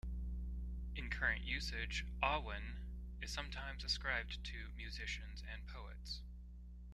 In current usage, "awen" is sometimes ascribed to musicians and poets.